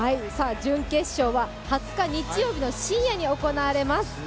準決勝は２０日の日曜日の深夜に行われます。